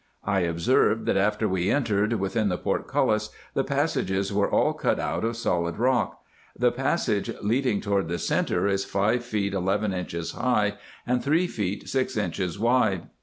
1 observed, that after we entered within the portcullis, the passages were all cut out of the solid rock. The passage leading toward the centre is five feet eleven inches high, and three feet six inches wide.